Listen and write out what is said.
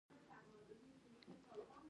هغه خر ته درناوی کاوه او نه یې واهه.